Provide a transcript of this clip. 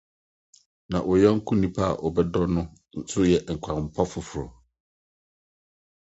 Na wo yɔnko nipa a wobɛdɔ no nso yɛ ɔkwampa foforo.